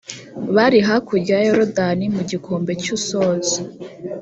bari hakurya ya yorodani mu gikombe cy’usozi.